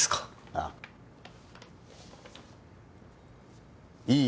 ああいい